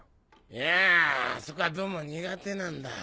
いやあそこはどうも苦手なんだ。